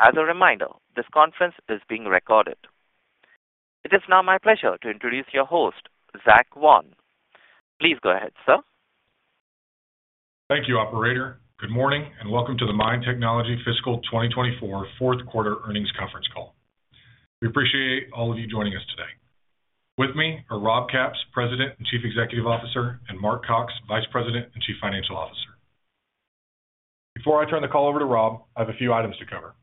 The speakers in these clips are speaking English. As a reminder, this conference is being recorded. It is now my pleasure to introduce your host, Zach Vaughan. Please go ahead, sir. Thank you, Operator. Good morning and welcome to the MIND Technology Fiscal 2024 Q4 Earnings Conference Call. We appreciate all of you joining us today. With me are Rob Capps, President and Chief Executive Officer, and Mark Cox, Vice President and Chief Financial Officer. Before I turn the call over to Rob, I have a few items to cover.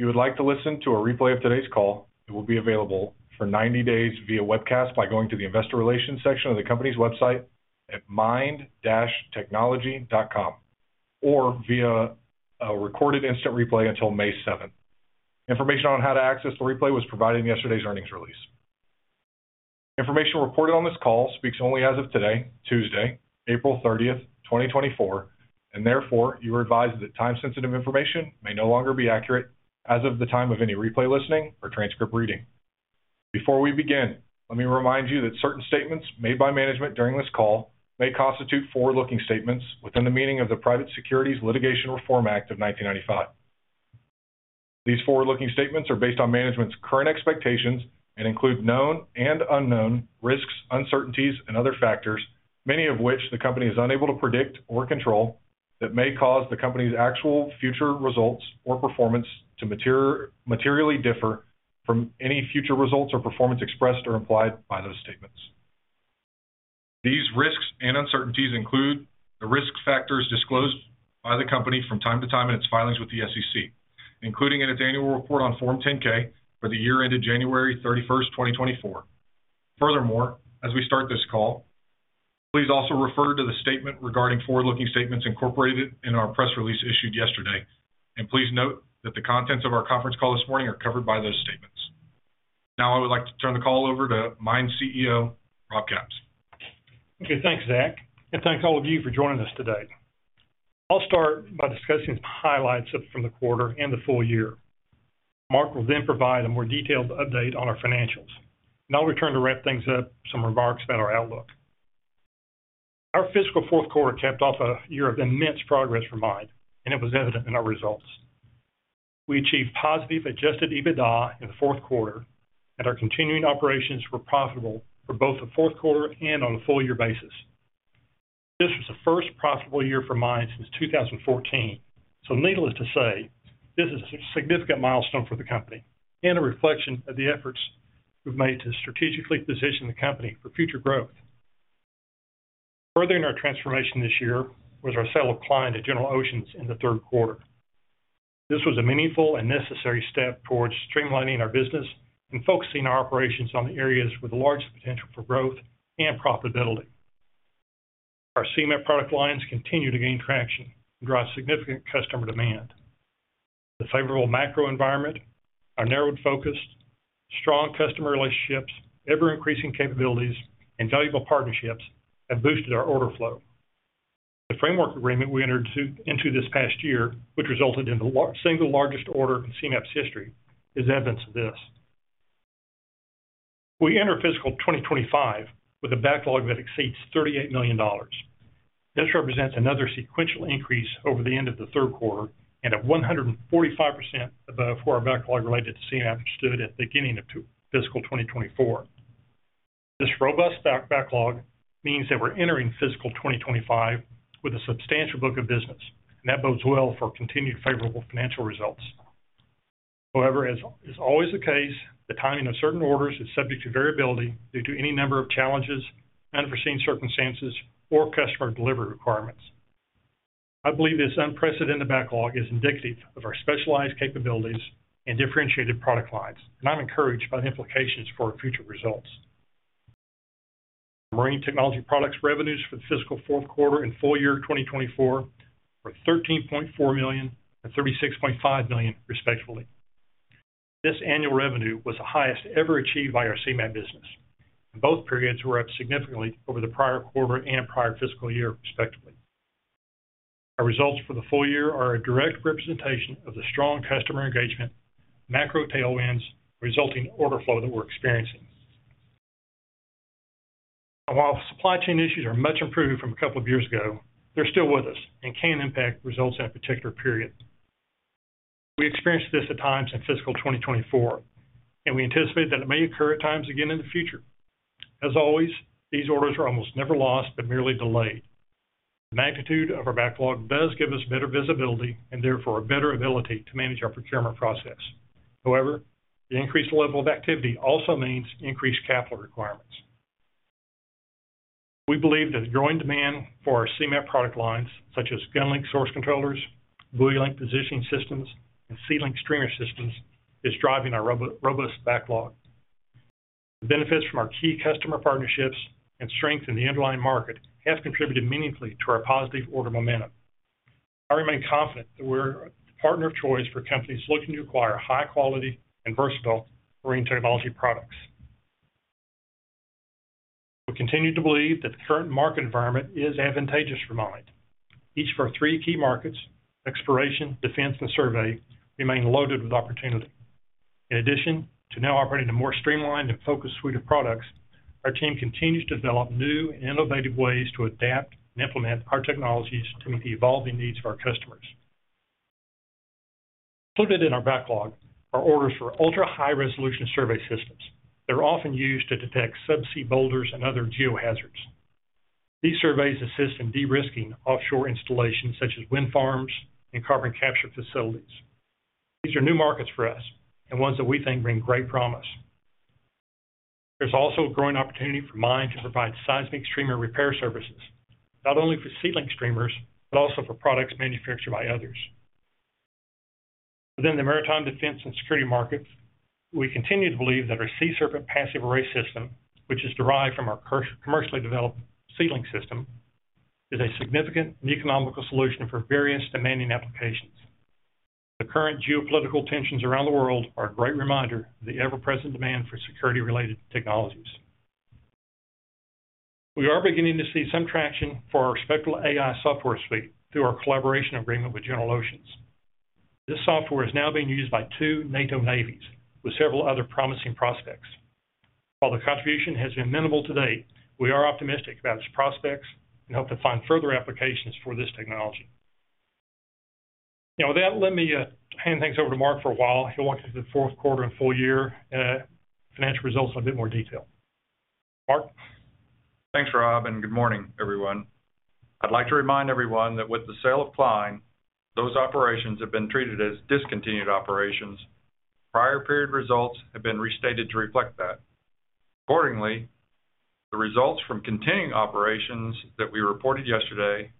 If you would like to listen to a replay of today's call, it will be available for 90 days via webcast by going to the Investor Relations section of the company's website at mind-technology.com, or via a recorded instant replay until May 7. Information on how to access the replay was provided in yesterday's earnings release. Information reported on this call speaks only as of today, Tuesday, April 30, 2024, and therefore you are advised that time-sensitive information may no longer be accurate as of the time of any replay listening or transcript reading. Before we begin, let me remind you that certain statements made by management during this call may constitute forward-looking statements within the meaning of the Private Securities Litigation Reform Act of 1995. These forward-looking statements are based on management's current expectations and include known and unknown risks, uncertainties, and other factors, many of which the company is unable to predict or control, that may cause the company's actual future results or performance to materially differ from any future results or performance expressed or implied by those statements. These risks and uncertainties include the risk factors disclosed by the company from time to time in its filings with the SEC, including in its annual report on Form 10-K for the year ended January 31, 2024. Furthermore, as we start this call, please also refer to the statement regarding forward-looking statements incorporated in our press release issued yesterday, and please note that the contents of our conference call this morning are covered by those statements. Now I would like to turn the call over to MIND CEO Rob Capps. Okay, thanks, Zach, and thanks all of you for joining us today. I'll start by discussing some highlights from the quarter and the full year. Mark will then provide a more detailed update on our financials, and I'll return to wrap things up with some remarks about our outlook. Our fiscal Q4 capped off a year of immense progress for MIND, and it was evident in our results. We achieved positive Adjusted EBITDA in the Q4, and our continuing operations were profitable for both the Q4 and on a full-year basis. This was the first profitable year for MIND since 2014, so needless to say, this is a significant milestone for the company and a reflection of the efforts we've made to strategically position the company for future growth. Furthering our transformation this year was our sale of Klein to General Oceans in the Q3. This was a meaningful and necessary step towards streamlining our business and focusing our operations on the areas with the largest potential for growth and profitability. Our Seamap product lines continue to gain traction and drive significant customer demand. The favorable macro environment, our narrowed focus, strong customer relationships, ever-increasing capabilities, and valuable partnerships have boosted our order flow. The framework agreement we entered into this past year, which resulted in the single largest order in Seamap's history, is evidence of this. We enter fiscal 2025 with a backlog that exceeds $38 million. This represents another sequential increase over the end of the Q3 and a 145% above where our backlog related to Seamap stood at the beginning of fiscal 2024. This robust backlog means that we're entering fiscal 2025 with a substantial book of business, and that bodes well for continued favorable financial results. However, as is always the case, the timing of certain orders is subject to variability due to any number of challenges, unforeseen circumstances, or customer delivery requirements. I believe this unprecedented backlog is indicative of our specialized capabilities and differentiated product lines, and I'm encouraged by the implications for our future results. Our Marine Technology products revenues for the fiscal Q4 and full year 2024 were $13.4 million and $36.5 million, respectively. This annual revenue was the highest ever achieved by our Seamap business, and both periods were up significantly over the prior quarter and prior fiscal year, respectively. Our results for the full year are a direct representation of the strong customer engagement, macro tailwinds, resulting order flow that we're experiencing. And while supply chain issues are much improved from a couple of years ago, they're still with us and can impact results in a particular period. We experienced this at times in fiscal 2024, and we anticipate that it may occur at times again in the future. As always, these orders are almost never lost but merely delayed. The magnitude of our backlog does give us better visibility and therefore a better ability to manage our procurement process. However, the increased level of activity also means increased capital requirements. We believe that the growing demand for our Seamap product lines, such as GunLink source controllers, BuoyLink positioning systems, and SeaLink streamer systems, is driving our robust backlog. The benefits from our key customer partnerships and strength in the underlying market have contributed meaningfully to our positive order momentum. I remain confident that we're the partner of choice for companies looking to acquire high-quality and versatile marine technology products. We continue to believe that the current market environment is advantageous for MIND. Each of our three key markets (exploration, defense, and survey) remain loaded with opportunity. In addition to now operating a more streamlined and focused suite of products, our team continues to develop new and innovative ways to adapt and implement our technologies to meet the evolving needs of our customers. Included in our backlog are orders for ultra-high-resolution survey systems that are often used to detect subsea boulders and other geohazards. These surveys assist in de-risking offshore installations such as wind farms and carbon capture facilities. These are new markets for us and ones that we think bring great promise. There's also a growing opportunity for MIND to provide seismic streamer repair services, not only for SeaLink streamers but also for products manufactured by others. Within the maritime defense and security markets, we continue to believe that our SeaSerpent passive array system, which is derived from our commercially developed SeaLink system, is a significant and economical solution for various demanding applications. The current geopolitical tensions around the world are a great reminder of the ever-present demand for security-related technologies. We are beginning to see some traction for our Spectral AI software suite through our collaboration agreement with General Oceans. This software is now being used by two NATO navies with several other promising prospects. While the contribution has been minimal to date, we are optimistic about its prospects and hope to find further applications for this technology. Now, with that, let me hand things over to Mark for a while. He'll walk into the Q4 and full year financial results in a bit more detail. Mark? Thanks, Rob, and good morning, everyone. I'd like to remind everyone that with the sale of Klein, those operations have been treated as discontinued operations. Prior period results have been restated to reflect that. Accordingly, the results from continuing operations that we reported yesterday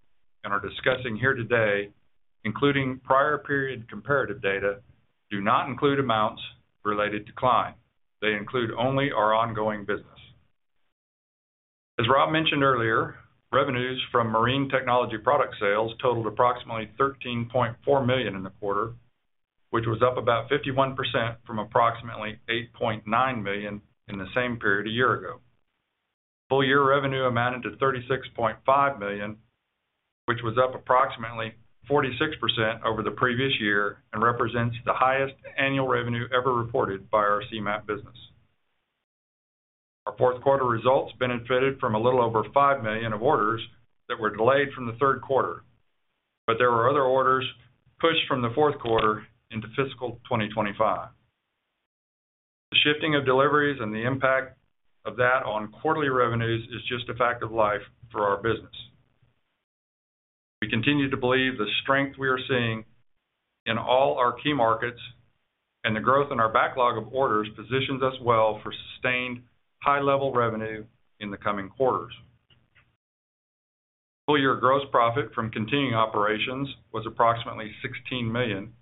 and are discussing here today, including prior period comparative data, do not include amounts related to Klein. They include only our ongoing business. As Rob mentioned earlier, revenues from Marine Technology product sales totaled approximately $13.4 million in the quarter, which was up about 51% from approximately $8.9 million in the same period a year ago. Full year revenue amounted to $36.5 million, which was up approximately 46% over the previous year and represents the highest annual revenue ever reported by our Seamap business. Our Q4 results benefited from a little over $5 million of orders that were delayed from the Q3, but there were other orders pushed from the Q4 into fiscal 2025. The shifting of deliveries and the impact of that on quarterly revenues is just a fact of life for our business. We continue to believe the strength we are seeing in all our key markets and the growth in our backlog of orders positions us well for sustained high-level revenue in the coming quarters. Full year gross profit from continuing operations was approximately $16 million,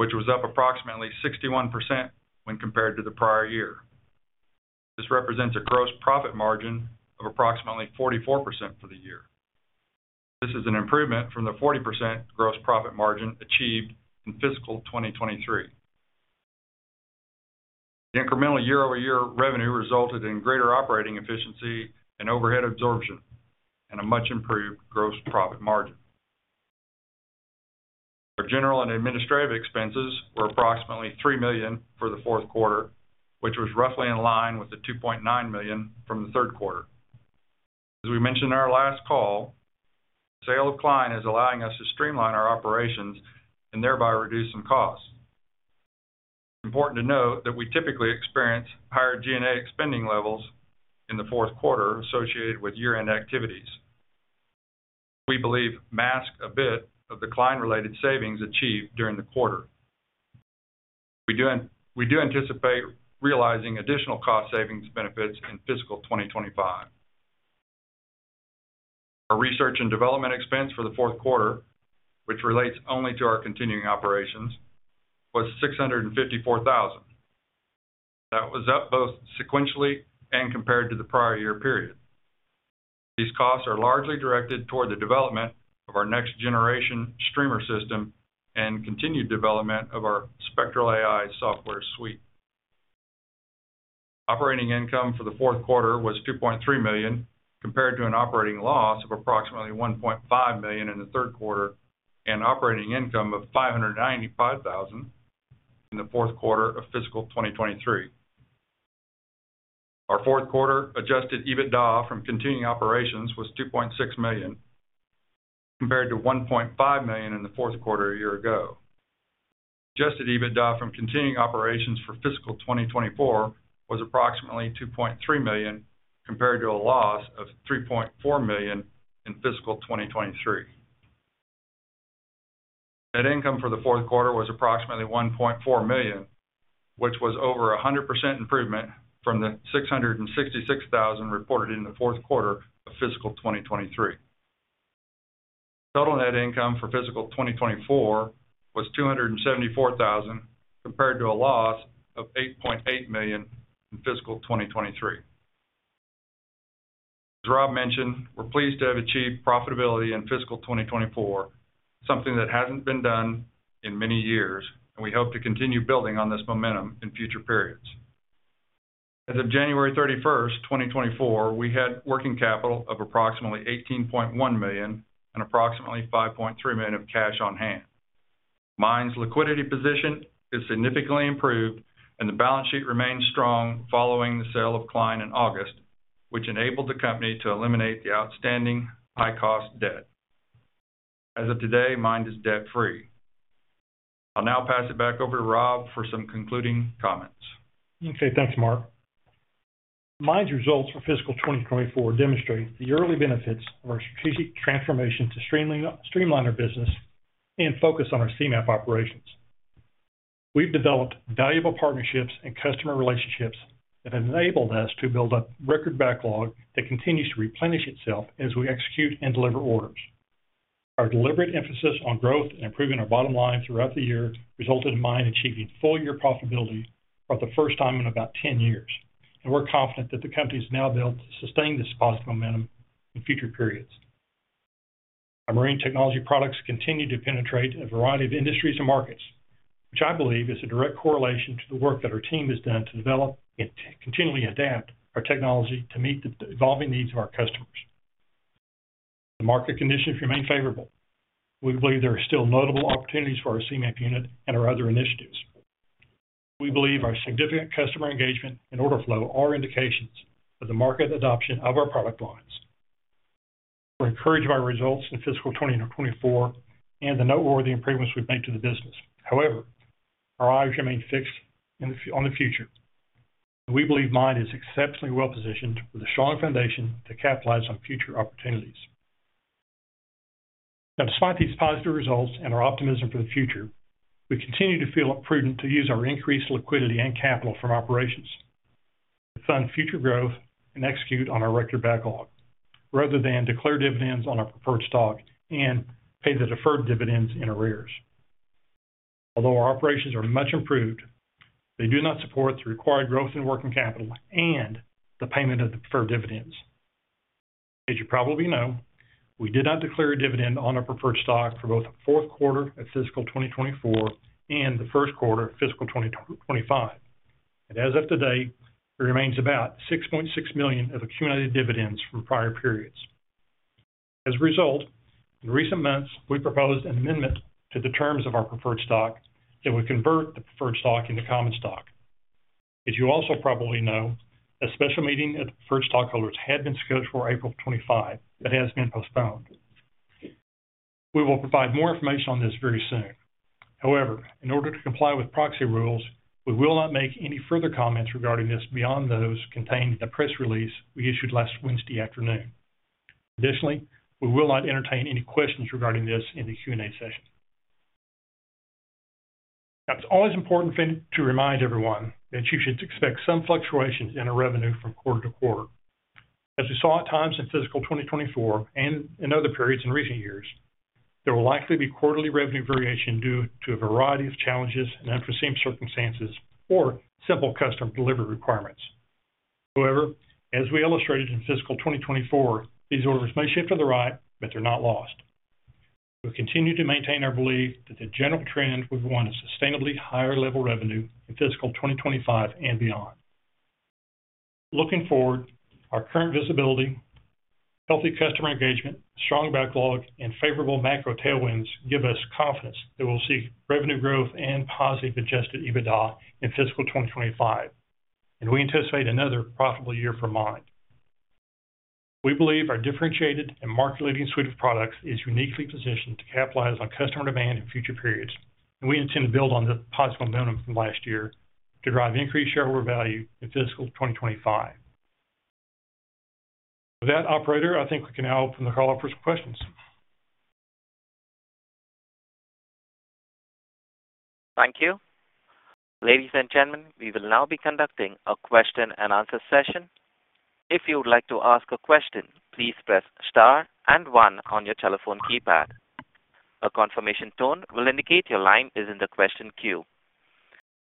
which was up approximately 61% when compared to the prior year. This represents a gross profit margin of approximately 44% for the year. This is an improvement from the 40% gross profit margin achieved in fiscal 2023. The incremental year-over-year revenue resulted in greater operating efficiency and overhead absorption and a much improved gross profit margin. Our general and administrative expenses were approximately $3 million for the Q4, which was roughly in line with the $2.9 million from the Q3. As we mentioned in our last call, the sale of Klein is allowing us to streamline our operations and thereby reduce some costs. It's important to note that we typically experience higher G&A spending levels in the Q4 associated with year-end activities. We believe that masks a bit of the Klein-related savings achieved during the quarter. We do anticipate realizing additional cost savings benefits in fiscal 2025. Our research and development expense for the Q4, which relates only to our continuing operations, was $654,000. That was up both sequentially and compared to the prior year period. These costs are largely directed toward the development of our next-generation streamer system and continued development of our Spectral AI software suite. Operating income for the Q4 was $2.3 million compared to an operating loss of approximately $1.5 million in the Q3 and operating income of $595,000 in the Q4 of fiscal 2023. Our Q4 adjusted EBITDA from continuing operations was $2.6 million compared to $1.5 million in the Q4 a year ago. Adjusted EBITDA from continuing operations for fiscal 2024 was approximately $2.3 million compared to a loss of $3.4 million in fiscal 2023. Net income for the Q4 was approximately $1.4 million, which was over 100% improvement from the $666,000 reported in the Q4 of fiscal 2023. Total net income for fiscal 2024 was $274,000 compared to a loss of $8.8 million in fiscal 2023. As Rob mentioned, we're pleased to have achieved profitability in fiscal 2024, something that hasn't been done in many years, and we hope to continue building on this momentum in future periods. As of January 31, 2024, we had working capital of approximately $18.1 million and approximately $5.3 million of cash on hand. MIND's liquidity position is significantly improved, and the balance sheet remains strong following the sale of Klein in August, which enabled the company to eliminate the outstanding high-cost debt. As of today, MIND is debt-free. I'll now pass it back over to Rob for some concluding comments. Okay, thanks, Mark. MIND's results for fiscal 2024 demonstrate the early benefits of our strategic transformation to streamline our business and focus on our Seamap operations. We've developed valuable partnerships and customer relationships that have enabled us to build a record backlog that continues to replenish itself as we execute and deliver orders. Our deliberate emphasis on growth and improving our bottom line throughout the year resulted in MIND achieving full-year profitability for the first time in about 10 years, and we're confident that the company has now built to sustain this positive momentum in future periods. Our Marine Technology products continue to penetrate a variety of industries and markets, which I believe is a direct correlation to the work that our team has done to develop and continually adapt our technology to meet the evolving needs of our customers. The market conditions remain favorable. We believe there are still notable opportunities for our Seamap unit and our other initiatives. We believe our significant customer engagement and order flow are indications of the market adoption of our product lines. We're encouraged by our results in fiscal 2024 and the noteworthy improvements we've made to the business. However, our eyes remain fixed on the future, and we believe MIND is exceptionally well-positioned with a strong foundation to capitalize on future opportunities. Now, despite these positive results and our optimism for the future, we continue to feel it's prudent to use our increased liquidity and capital from operations to fund future growth and execute on our record backlog rather than declare dividends on our preferred stock and pay the deferred dividends in arrears. Although our operations are much improved, they do not support the required growth in working capital and the payment of the preferred dividends. As you probably know, we did not declare a dividend on our preferred stock for both the Q4 of fiscal 2024 and the Q1 of fiscal 2025, and as of today, there remains about $6.6 million of accumulated dividends from prior periods. As a result, in recent months, we proposed an amendment to the terms of our preferred stock that would convert the preferred stock into common stock. As you also probably know, a special meeting of the preferred stockholders had been scheduled for April 25th but has been postponed. We will provide more information on this very soon. However, in order to comply with proxy rules, we will not make any further comments regarding this beyond those contained in the press release we issued last Wednesday afternoon. Additionally, we will not entertain any questions regarding this in the Q&A session. Now, it's always important to remind everyone that you should expect some fluctuations in our revenue from quarter to quarter. As we saw at times in fiscal 2024 and in other periods in recent years, there will likely be quarterly revenue variation due to a variety of challenges and unforeseen circumstances or simple custom delivery requirements. However, as we illustrated in fiscal 2024, these orders may shift to the right, but they're not lost. We'll continue to maintain our belief that the general trend would want a sustainably higher level revenue in fiscal 2025 and beyond. Looking forward, our current visibility, healthy customer engagement, strong backlog, and favorable macro tailwinds give us confidence that we'll see revenue growth and positive Adjusted EBITDA in fiscal 2025, and we anticipate another profitable year for MIND. We believe our differentiated and market-leading suite of products is uniquely positioned to capitalize on customer demand in future periods, and we intend to build on the positive momentum from last year to drive increased shareholder value in fiscal 2025. With that, operator, I think we can now open the call for some questions. Thank you. Ladies and gentlemen, we will now be conducting a question-and-answer session. If you would like to ask a question, please press star and one on your telephone keypad. A confirmation tone will indicate your line is in the question queue.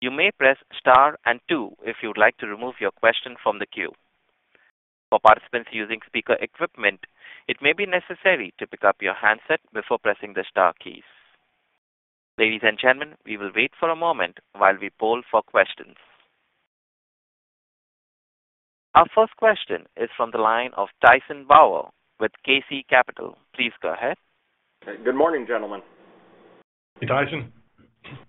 You may press star and two if you would like to remove your question from the queue. For participants using speaker equipment, it may be necessary to pick up your handset before pressing the star keys. Ladies and gentlemen, we will wait for a moment while we poll for questions. Our first question is from the line of Tyson Bauer with KC Capital. Please go ahead. Good morning, gentlemen. Hey, Tyson.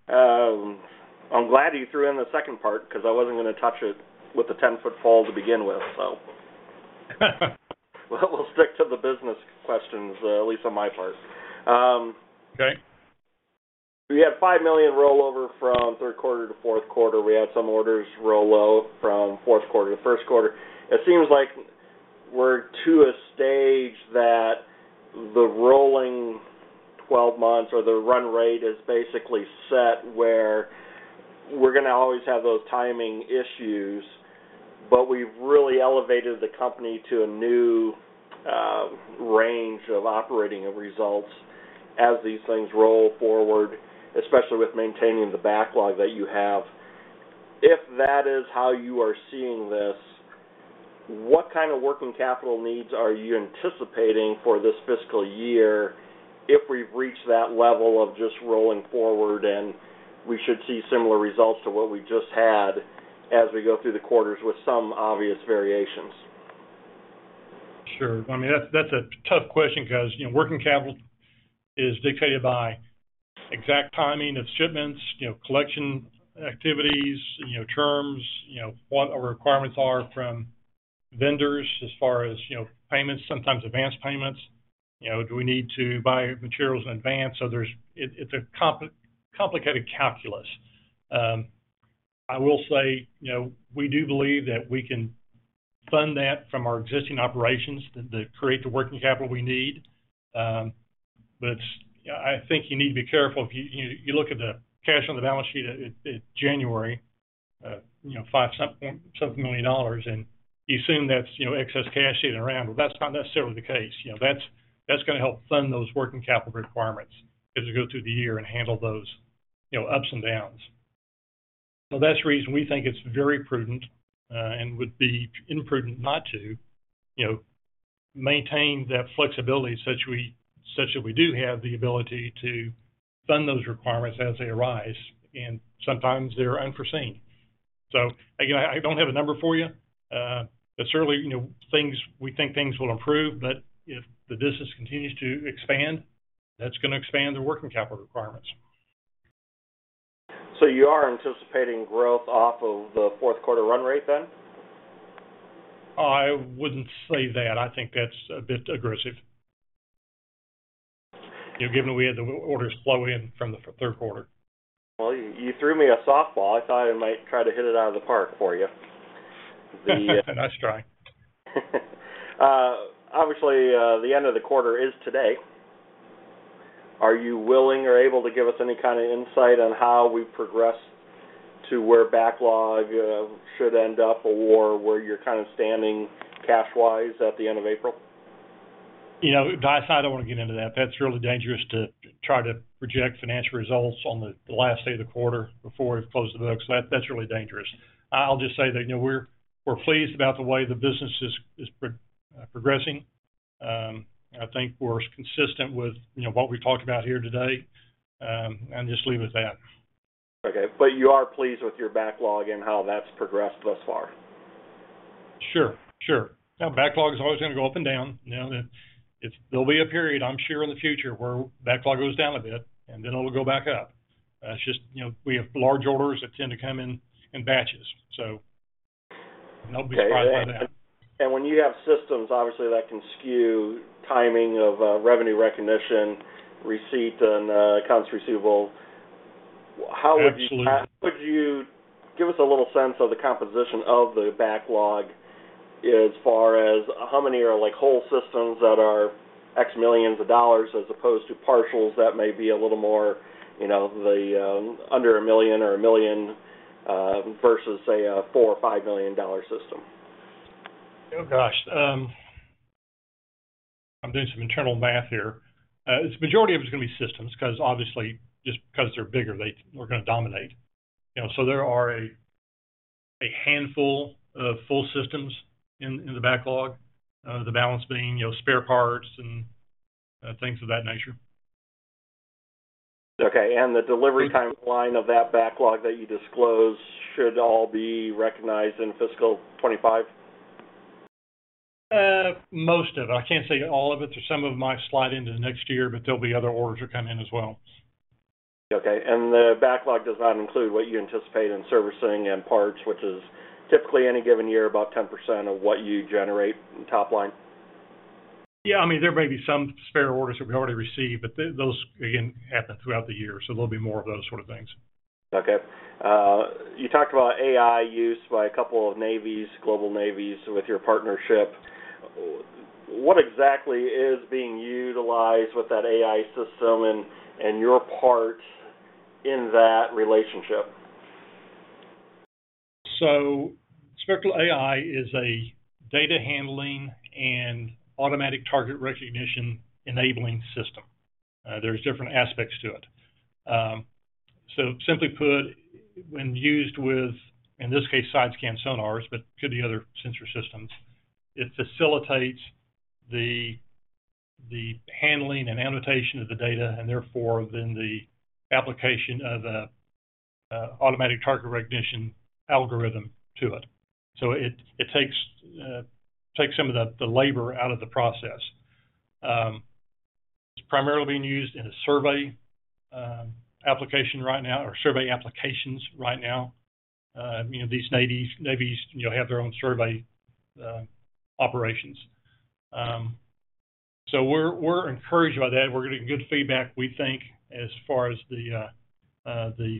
I'm glad you threw in the second part because I wasn't going to touch it with a 10-foot pole to begin with, so. We'll stick to the business questions, at least on my part. We had $5 million rollover from Q3 to Q4. We had some orders roll over from Q4 to Q1. It seems like we're to a stage that the rolling 12 months or the run rate is basically set where we're going to always have those timing issues, but we've really elevated the company to a new range of operating results as these things roll forward, especially with maintaining the backlog that you have. If that is how you are seeing this, what kind of working capital needs are you anticipating for this fiscal year if we've reached that level of just rolling forward and we should see similar results to what we just had as we go through the quarters with some obvious variations? Sure. I mean, that's a tough question because working capital is dictated by exact timing of shipments, collection activities, terms, what our requirements are from vendors as far as payments, sometimes advance payments. Do we need to buy materials in advance? So it's a complicated calculus. I will say we do believe that we can fund that from our existing operations to create the working capital we need. But I think you need to be careful. If you look at the cash on the balance sheet at January, $5-something million, and you assume that's excess cash sitting around, well, that's not necessarily the case. That's going to help fund those working capital requirements as we go through the year and handle those ups and downs. So that's the reason we think it's very prudent and would be imprudent not to maintain that flexibility such that we do have the ability to fund those requirements as they arise, and sometimes they're unforeseen. So again, I don't have a number for you. But certainly, we think things will improve, but if the business continues to expand, that's going to expand their working capital requirements. You are anticipating growth off of the Q4 run rate then? I wouldn't say that. I think that's a bit aggressive given we had the orders flow in from the Q3. Well, you threw me a softball. I thought I might try to hit it out of the park for you. The. Nice try. Obviously, the end of the quarter is today. Are you willing or able to give us any kind of insight on how we progress to where backlog should end up or where you're kind of standing cash-wise at the end of April? Tyson, I don't want to get into that. That's really dangerous to try to project financial results on the last day of the quarter before we've closed the book. So that's really dangerous. I'll just say that we're pleased about the way the business is progressing. I think we're consistent with what we've talked about here today, and just leave it at that. Okay. But you are pleased with your backlog and how that's progressed thus far? Sure. Sure. Now, backlog is always going to go up and down. There'll be a period, I'm sure, in the future where backlog goes down a bit, and then it'll go back up. It's just we have large orders that tend to come in batches, so nobody's surprised by that. When you have systems, obviously, that can skew timing of revenue recognition, receipt, and accounts receivable, how would you give us a little sense of the composition of the backlog as far as how many are whole systems that are X millions of dollars as opposed to partials that may be a little more under $1 million or $1 million versus, say, a $4 million or $5 million system? Oh, gosh. I'm doing some internal math here. The majority of them is going to be systems because, obviously, just because they're bigger, they're going to dominate. So there are a handful of full systems in the backlog, the balance being spare parts and things of that nature. Okay. And the delivery timeline of that backlog that you disclose should all be recognized in fiscal 2025? Most of it. I can't say all of it. There's some of them might slide into next year, but there'll be other orders that come in as well. Okay. The backlog does not include what you anticipate in servicing and parts, which is typically any given year about 10% of what you generate in top line? Yeah. I mean, there may be some spare orders that we already receive, but those, again, happen throughout the year. So there'll be more of those sort of things. Okay. You talked about AI use by a couple of global navies with your partnership. What exactly is being utilized with that AI system and your part in that relationship? So Spectral Ai is a data handling and automatic target recognition enabling system. There's different aspects to it. So simply put, when used with, in this case, side scan sonars, but could be other sensor systems, it facilitates the handling and annotation of the data and therefore then the application of an automatic target recognition algorithm to it. So it takes some of the labor out of the process. It's primarily being used in a survey application right now or survey applications right now. These navies have their own survey operations. So we're encouraged by that. We're getting good feedback, we think, as far as the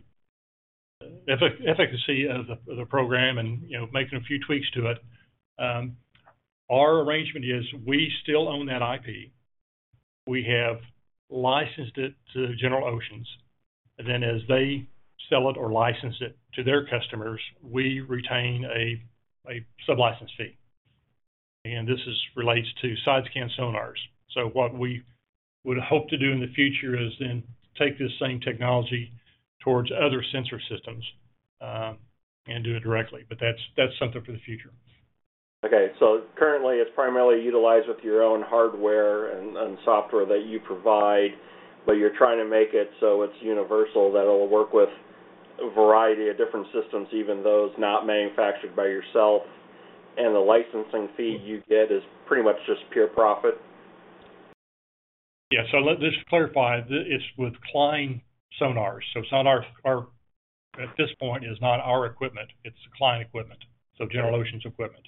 efficacy of the program and making a few tweaks to it. Our arrangement is we still own that IP. We have licensed it to General Oceans. Then as they sell it or license it to their customers, we retain a sublicense fee. This relates to side scan sonars. What we would hope to do in the future is then take this same technology towards other sensor systems and do it directly. That's something for the future. Okay. So currently, it's primarily utilized with your own hardware and software that you provide, but you're trying to make it so it's universal that it'll work with a variety of different systems, even those not manufactured by yourself, and the licensing fee you get is pretty much just pure profit? Yeah. So just to clarify, it's with Klein sonars. So sonars, at this point, is not our equipment. It's Klein equipment, so General Oceans equipment.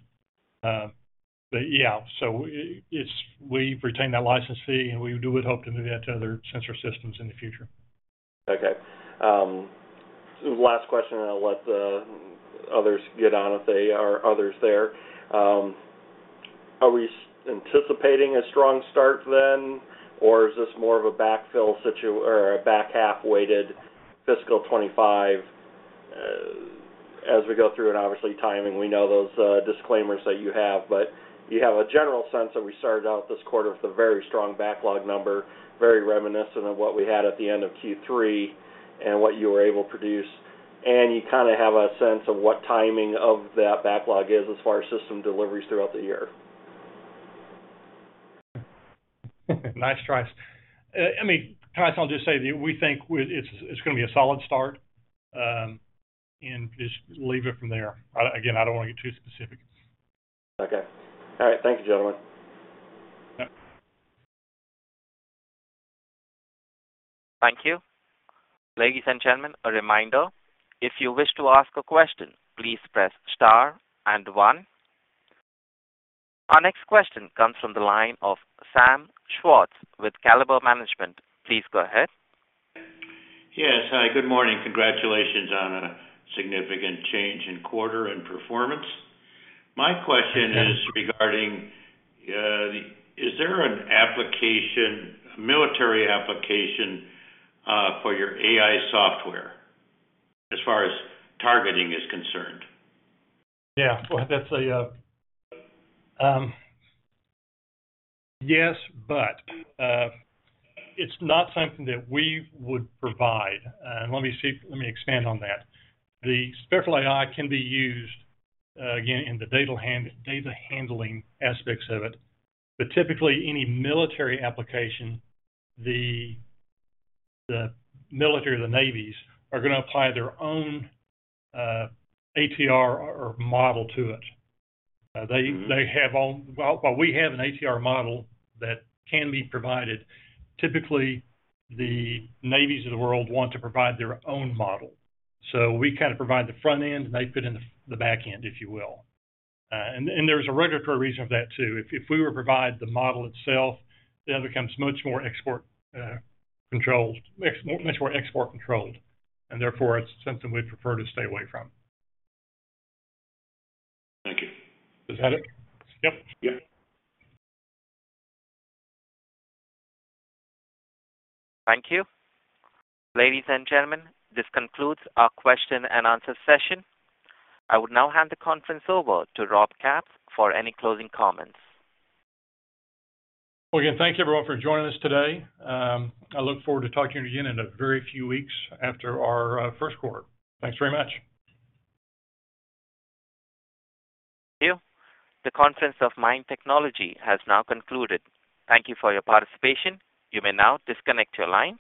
But yeah. So we've retained that license fee, and we would hope to move that to other sensor systems in the future. Okay. Last question, and I'll let others get on if there are others there. Are we anticipating a strong start then, or is this more of a backfill or a back half-weighted fiscal 2025 as we go through? And obviously, timing, we know those disclaimers that you have, but you have a general sense that we started out this quarter with a very strong backlog number, very reminiscent of what we had at the end of Q3 and what you were able to produce. And you kind of have a sense of what timing of that backlog is as far as system deliveries throughout the year? Nice try. I mean, Tyson, I'll just say that we think it's going to be a solid start and just leave it from there. Again, I don't want to get too specific. Okay. All right. Thank you, gentlemen. Yep. Thank you. Ladies and gentlemen, a reminder, if you wish to ask a question, please press star and one. Our next question comes from the line of Sam Schwartz with Caliber Management. Please go ahead. Yes. Hi. Good morning. Congratulations on a significant change in quarter and performance. My question is regarding, is there an application, a military application, for your AI software as far as targeting is concerned? Yeah. Well, that's a yes, but it's not something that we would provide. And let me see. Let me expand on that. The Spectral AI can be used, again, in the data handling aspects of it. But typically, any military application, the military or the navies are going to apply their own ATR or model to it. While we have an ATR model that can be provided, typically, the navies of the world want to provide their own model. So we kind of provide the front end, and they put in the back end, if you will. And there's a regulatory reason for that too. If we were to provide the model itself, then it becomes much more export-controlled, much more export-controlled. And therefore, it's something we'd prefer to stay away from. Thank you. Is that it? Yep. Yep. Thank you. Ladies and gentlemen, this concludes our question and answer session. I would now hand the conference over to Rob Capps for any closing comments. Well, again, thank you, everyone, for joining us today. I look forward to talking to you again in a very few weeks after our Q1. Thanks very much. Thank you. The conference of MIND Technology has now concluded. Thank you for your participation. You may now disconnect your lines.